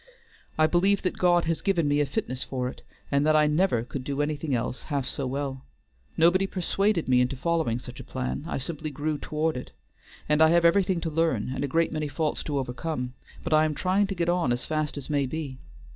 "I believe that God has given me a fitness for it, and that I never could do anything else half so well. Nobody persuaded me into following such a plan; I simply grew toward it. And I have everything to learn, and a great many faults to overcome, but I am trying to get on as fast as may be.